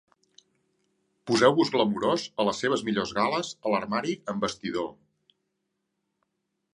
Poseu-vos glamurós a les seves millors gales a l'armari amb vestidor.